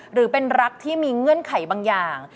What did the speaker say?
หรือเป็นรักที่มีเงื่อนไขบางอย่าง